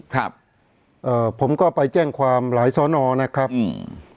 เอ่อผมก็ไปแจ้งความหลายสอนอนะครับอืม